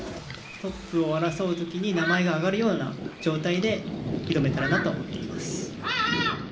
トップを争うときに名前があがるような状態で挑めたらなと思っています。